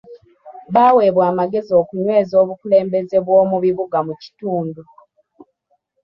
Baaweebwa amagezi okunyweza obukulembeze bw'omu bibuga mu kitundu.